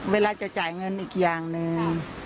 เวลาจะจ่ายเงินอีกอย่างหนึ่ง